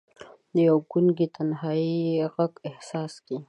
د یوې ګونګې تنهايۍ بې ږغ احساس کې